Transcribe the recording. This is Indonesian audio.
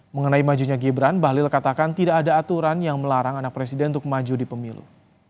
mengenai majunya gibran bahlil katakan tidak ada aturan yang melarang anak presiden untuk maju di pemilu